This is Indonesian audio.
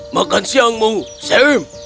makan siangmu sam